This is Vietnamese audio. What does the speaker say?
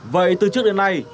vậy từ trước đến nay